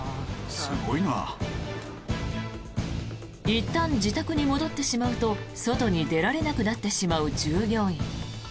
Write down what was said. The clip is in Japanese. いったん自宅に戻ってしまうと外に出られなくなってしまう従業員。